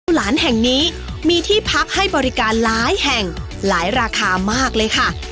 หลานแห่งนี้มีที่พักให้บริการหลายแห่งหลายราคามากเลยค่ะ